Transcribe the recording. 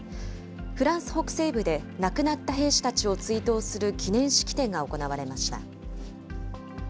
フランス北西部で亡くなった兵士たちを追悼する記念式典が行われました。